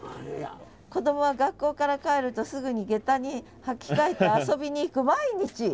「子供は学校から帰るとすぐに下駄に履き替えて遊びに行く毎日」。